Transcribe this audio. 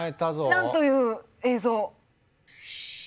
なんという映像！